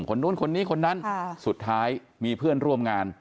คนนู้นคนนี้คนนั้นสุดท้ายมีเพื่อนร่วมงาน